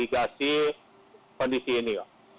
dikasih kondisi ini